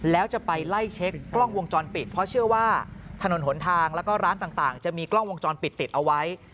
แล้วจะไปไล่เช็คกล้องวงจรปิดเพราะเชื่อว่าถนนหนทางแล้วก็ร้านต่างจะมีกล้องวงจรปิดติดเอาไว้